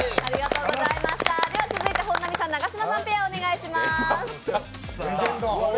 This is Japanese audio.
続いて、本並さん永島さんペアお願いします。